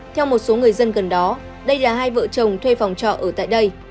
theo một số người dân gần đó đây là hai vợ chồng thuê phòng trọ ở tại đây